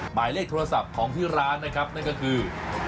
หมายเลขโทรศัพท์ของที่ร้านนะครับนั่นก็คือ